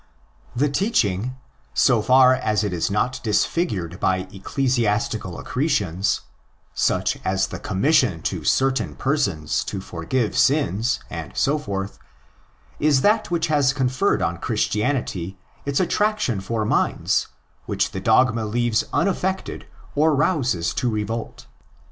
The teaching, so far as it is not disfigured by eccle siastical accretions, such as the commission to certain persons to forgive sins, and so forth, is that which has conferred on Christianity its attraction for minds which the dogma leaves unaffected or rouses to revolt.